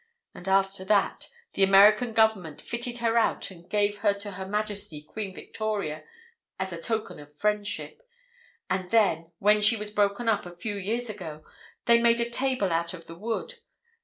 And after that the American Government fitted her out and gave her to Her Majesty Queen Victoria as a token of friendship; and then, when she was broken up, a few years ago, they made the table out of the wood.